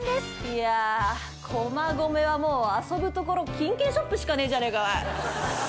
いやあ、駒込はもう遊ぶところ金券ショップしかねえじゃねえか。